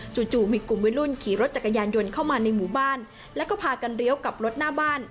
จู่มีกลุ่มวัยรุ่นขี่รถจักรยานยนต์เข้ามาในหมู่บ้านแล้วก็พากันเลี้ยวกลับรถหน้าบ้าน